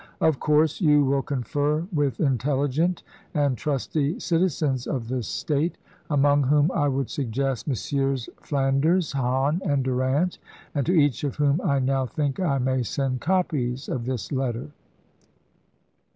Of course you wiU confer with intelligent and trusty citizens of the State, among whom I would suggest Messrs. Flanders, Hahn, and Durant; and to each of whom I now think I may send copies of this letter.